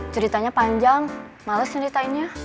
ceritanya panjang males ngeritainnya